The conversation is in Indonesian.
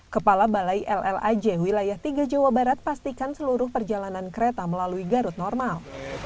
kepala balai llaj wilayah tiga jawa barat pastikan seluruh perjalanan kereta melalui garut normal